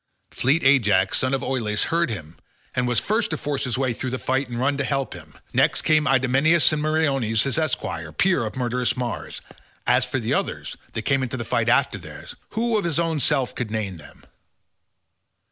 Fleet Ajax son of Oileus heard him and was first to force his way through the fight and run to help him. Next came Idomeneus and Meriones his esquire, peer of murderous Mars. As for the others that came into the fight after these, who of his own self could name them?